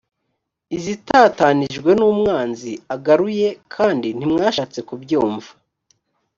izatatanijwe numwanzi agaruye kandi ntimwashatse kubyumva